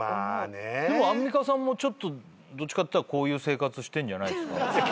でもアンミカさんもちょっとどっちかっていったらこういう生活してんじゃないですか？